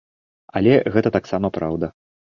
Але гэта таксама праўда.